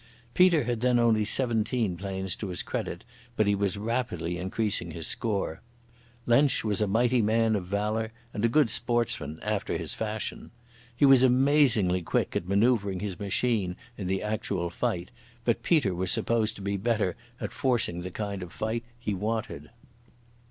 Peter had then only seventeen planes to his credit, but he was rapidly increasing his score. Lensch was a mighty man of valour and a good sportsman after his fashion. He was amazingly quick at manœuvring his machine in the actual fight, but Peter was supposed to be better at forcing the kind of fight he wanted.